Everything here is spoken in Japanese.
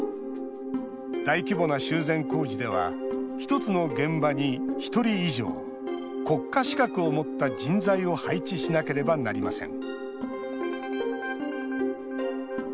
大規模な修繕工事では１つの現場に１人以上国家資格を持った人材を配置しなければなりません。